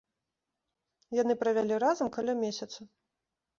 Яны правялі разам каля месяца.